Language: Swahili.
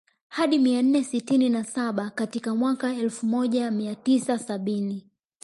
Hadi mia nne sitini na saba katika mwaka elfu moja mia tisa sabini